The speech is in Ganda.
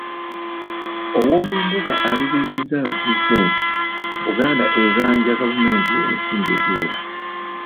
Owoomumbuga ategeezezza abakiise nti Buganda ebanja gavumenti ensimbi eziwera